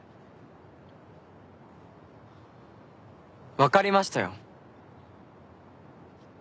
わかりましたよ。